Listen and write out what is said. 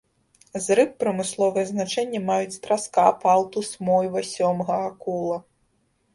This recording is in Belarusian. З рыб прамысловае значэнне маюць траска, палтус, мойва, сёмга, акула.